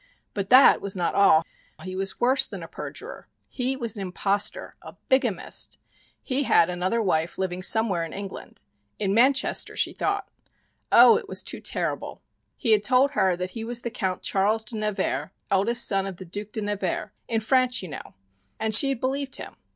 But that was not all he was worse than a perjurer. He was an impostor a bigamist. He had another wife living somewhere in England in Manchester, she thought. Oh, it was too terrible. He had told her that he was the Count Charles de Nevers, eldest son of the Duc de Nevers in France, you know. And she had believed him.